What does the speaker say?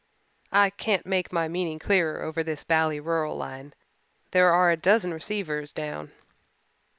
I can't make my meaning clearer over this bally rural line. There are a dozen receivers down."